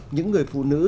những người phụ nữ